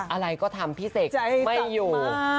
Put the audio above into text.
อะไรก็ทำพี่เสกไม่อยู่